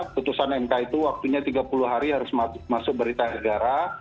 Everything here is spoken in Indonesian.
putusan mk itu waktunya tiga puluh hari harus masuk berita negara